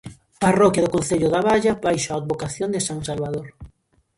Parroquia do concello da Baña baixo a advocación de san Salvador.